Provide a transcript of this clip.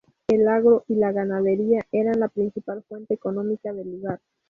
El agro y la ganadería eran la principal fuente económica del lugar.